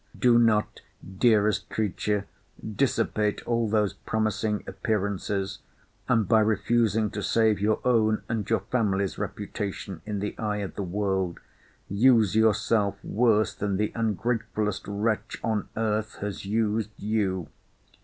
Do not, dearest creature, dissipate all those promising appearances, and by refusing to save your own and your family's reputation in the eye of the world, use yourself worse than the ungratefullest wretch on earth has used you.